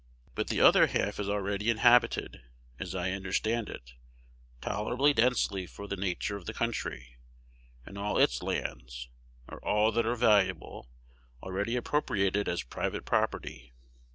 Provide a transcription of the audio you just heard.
But the other half is already inhabited, as I understand it, tolerably densely for the nature of the country; and all its lands, or all that are valuable, already appropriated as private property.